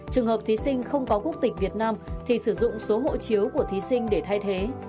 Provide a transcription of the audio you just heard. trường hợp thí sinh không có quốc tịch việt nam thì sử dụng số hộ chiếu của thí sinh để thay thế